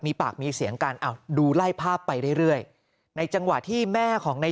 มีปากมีเสียงกันดูไล่ภาพไปเรื่อยในจังหวะที่แม่ของใน